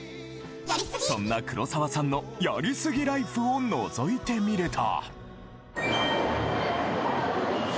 そんな黒沢さんのやりすぎライフを覗いてみると？